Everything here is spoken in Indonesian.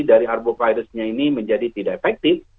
dari arbovirusnya ini menjadi tidak efektif